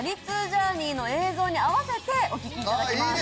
ジャーニーの映像に合わせてお聴きいただきます。